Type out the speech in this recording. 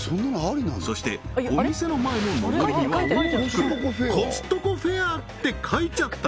そしてお店の前ののぼりには大きく「コストコフェア」って書いちゃった